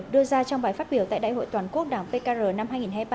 đưa ra trong bài phát biểu tại đại hội toàn quốc đảng pkr năm hai nghìn hai mươi ba